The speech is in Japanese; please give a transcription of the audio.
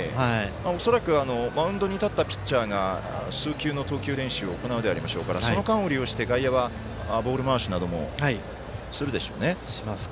恐らくマウンドに立ったピッチャーが数球の投球練習を行うでしょうからその間を利用して外野はボール回しなどするでしょうね。